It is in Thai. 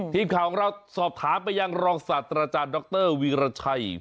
ทีมข่าวของเราสอบถามไปยังรองศาสตราจารย์ดรวีรชัย